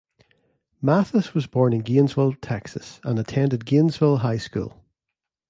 Mathis was born in Gainesville, Texas, and attended Gainesville High School.